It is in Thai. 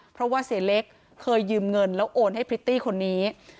เพราะว่าเสียเล็กเคยยืมเงินแล้วโอนให้พริตตี้คนนี้